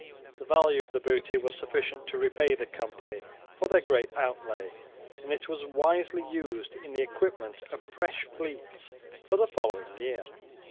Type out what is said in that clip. The value of the booty was sufficient to repay the company for their great outlay, and it was wisely used in the equipment of fresh fleets for the following year.